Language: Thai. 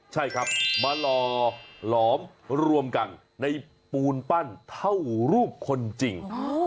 ใช่ครับมาหล่อหลอมรวมกันในปูนปั้นเท่ารูปคนจริง